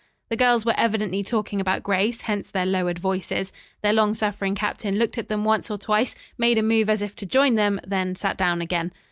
The girls were evidently talking about Grace, hence their lowered voices. Their long suffering captain looked at them once or twice, made a move as if to join them, then sat down again.